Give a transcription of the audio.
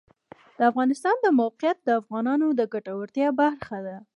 د افغانستان د موقعیت د افغانانو د ګټورتیا برخه ده.